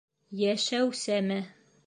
ЙӘШӘҮ СӘМЕ